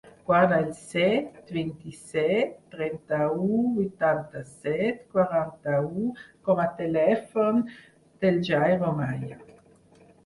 Guarda el set, vint-i-set, trenta-u, vuitanta-set, quaranta-u com a telèfon del Jairo Maya.